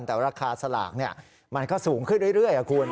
แต่ราคาสลากมันก็สูงขึ้นเรื่อยคุณ